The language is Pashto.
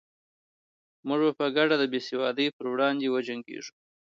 موږ به په ګډه د بې سوادۍ پر وړاندې جنګېږو.